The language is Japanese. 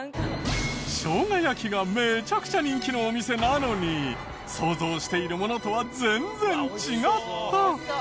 生姜焼きがめちゃくちゃ人気のお店なのに想像しているものとは全然違った！？